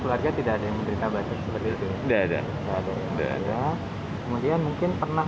terdiri dari vaksin dari sinovac